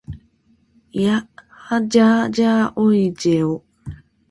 いはじゃじゃおいじぇお。